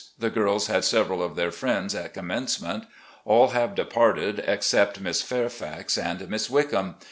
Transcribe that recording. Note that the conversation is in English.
The girls had several of their friends at commencement. All have departed except Miss Fairfax and Miss Wickham.